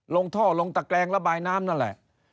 ลงท่อลงตะแกรงระบายน้ำนั่นแหละ